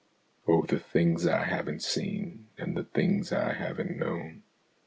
Oh, the things I haven't seen and the things I haven't known.